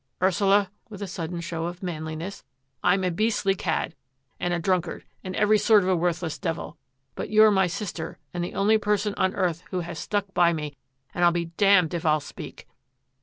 " Ursula," with a sudden show of manliness, " I'm a beastly cad, and a drunkard, and every sort of a worthless devil, but you're my sister and the only person on earth who has stuck by me, and I'll be d— d if I'll speak